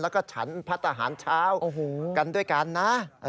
แล้วก็ฉันพัฒนาหารเช้ากันด้วยกันนะ